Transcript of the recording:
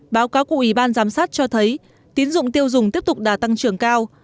báo cáo của ủy ban giám sát cho thấy tín dụng tiêu dùng tiếp tục đã tăng trưởng cao